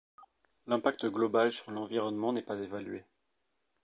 L'impact global sur l'environnement n'est pas évalué.